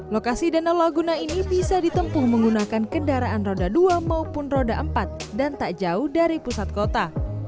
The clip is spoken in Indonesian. lokasi danau laguna ini bisa ditempuh menggunakan kendaraan roda dua maupun roda empat dan tak jauh dari pusat kota